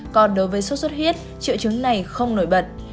còn đối với sốt xuất huyết triệu chứng này không nổi bật